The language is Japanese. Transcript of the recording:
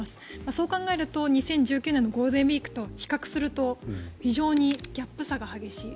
そう考えると２０１９年のゴールデンウィークと比較すると非常にギャップ差が激しい。